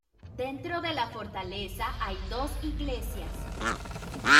Dentro de la fortaleza hay dos iglesias.